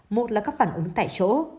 một là các phản ứng tại chỗ